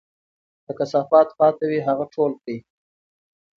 که کثافات پاتې وي، هغه ټول کړئ.